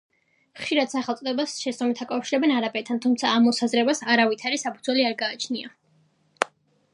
ხშირად სახელწოდებას შეცდომით აკავშირებენ არაბეთთან, თუმცა ამ მოსაზრებას არავითარი საფუძველი არ გააჩნია.